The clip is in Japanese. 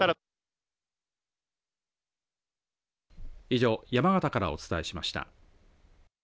以上、山形からお伝えしました。